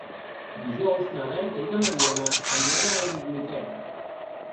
Dijous na Berta i na Mariona aniran a la biblioteca.